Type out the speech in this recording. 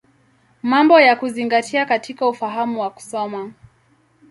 Mambo ya Kuzingatia katika Ufahamu wa Kusoma.